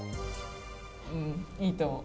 うんいいと思う。